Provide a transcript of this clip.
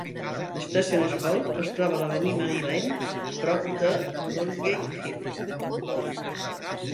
L'Stationer's Hall es troba a l'Avenue Maria Lane, prop de Ludgate Hill.